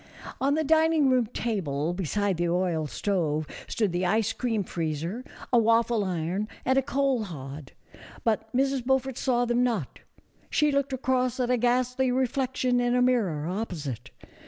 On the dining room table, beside the oil stove, stood the ice cream freezer, a waffle iron and a coal hod, but Mrs. Beaufort saw them not; she looked across at a ghastly reflection in a mirror opposite.